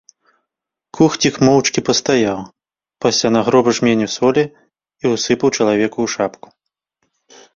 Кухцік моўчкі пастаяў, пасля нагроб жменю солі і ўсыпаў чалавеку ў шапку.